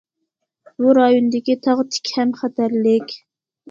بۇ رايوندىكى تاغ تىك ھەم خەتەرلىك.